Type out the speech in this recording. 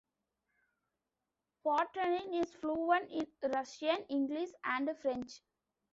Potanin is fluent in Russian, English, and French.